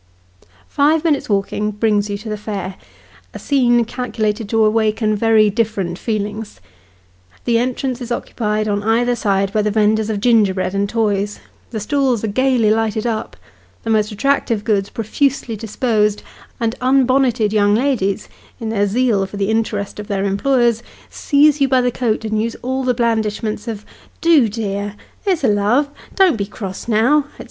Five minutes' walking brings you to the fair ; a scene calculated to awaken very different feelings. The entrance is occupied on either side by the venders of gingerbread and toys : the stalls are gaily lighted up, the most attractive goods profusely disposed, and un bonneted young ladies, in their zeal for the interest of their employers, seize you by the coat, and use all the blandishments of " Do, dear "" There's a love "" Don't be cross, now," &c.